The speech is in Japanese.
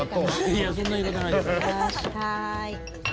いやそんな言い方ないでしょ。